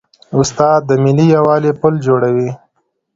استاد د ملي یووالي پل جوړوي.